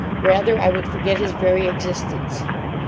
Rather I would forget his very existence.